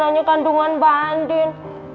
hanya kandungan bandin